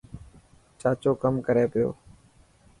چاچو ڪم ڪري پيو.